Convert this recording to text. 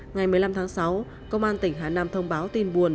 ngày một mươi năm tháng sáu công an tỉnh hà nam thông báo tin buồn